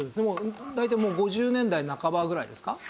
大体もう５０年代半ばぐらいですか？